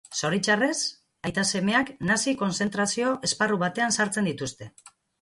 Zoritxarrez aita-semeak nazi kontzentrazio esparru batean sartzen dituzte.